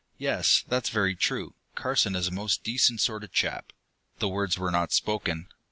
"Yes, that's very true: Carson is a most decent sort of chap." The words were not spoken.